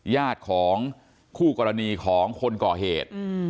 ญาติของคู่กรณีของคนก่อเหตุ